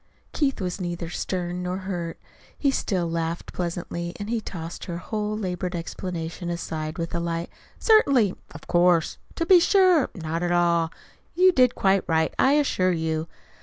Keith was neither stern nor hurt. He still laughed pleasantly, and he tossed her whole labored explanation aside with a light: "Certainly of course to be sure not at all! You did quite right, I assure you!"